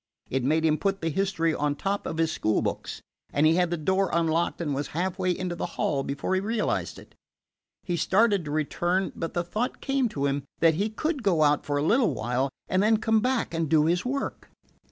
It made him put the history on top of his school books, and he had the door unlocked and was half way into the hall before he realized it. He started to return, but the thought came to him that he could go out for a little while and then come back and do his work.